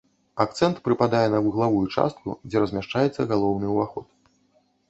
Акцэнт прыпадае на вуглавую частку, дзе размяшчаецца галоўны ўваход.